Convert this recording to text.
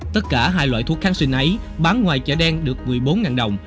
tất cả hai loại thuốc kháng sinh ấy bán ngoài chợ đen được một mươi bốn đồng